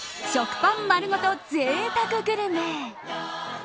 食パン丸ごとぜいたくグルメ。